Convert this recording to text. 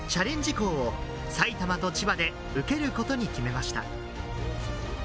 校を埼玉と千葉で受けることに決めました。